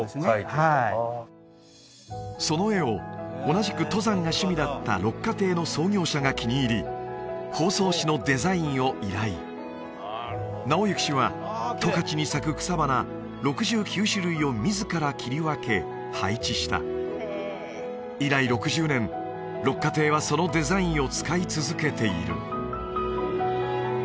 はいその絵を同じく登山が趣味だった六花亭の創業者が気に入り包装紙のデザインを依頼直行氏は十勝に咲く草花６９種類を自ら切り分け配置した以来６０年六花亭はそのデザインを使い続けている